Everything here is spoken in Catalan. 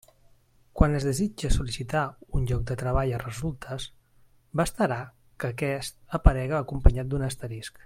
Quan es desitge sol·licitar un lloc de treball a resultes, bastarà que aquest aparega acompanyat d'un asterisc.